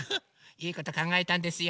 いいことかんがえたんですよ。